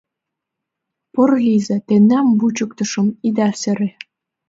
— Порылийза, тендам вучыктышым, ида сыре.